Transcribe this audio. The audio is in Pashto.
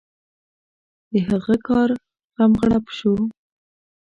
د هغه کار غم غړپ شو.